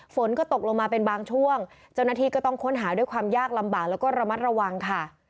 ฝนก็ตกลงมาเป็นบางช่วงเจ้าหน้าที่ก็ต้องค้นหาด้วยความยากลำบากแล้วก็ระมัดระวังค่ะ